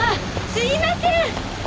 すいません！